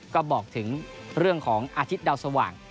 ก็บอกถึงเรื่องของอาทิตย์ดาวสว่าง